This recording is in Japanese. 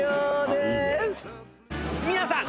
皆さん